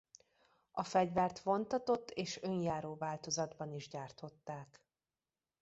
A fegyvert vontatott és önjáró változatban is gyártották.